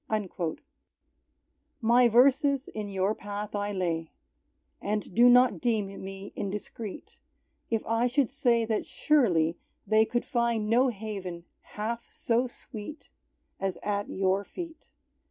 _" My verses in Your path I lay, And do not deem me indiscreet, If I should say that surely they Could find no haven half so sweet As at Your feet.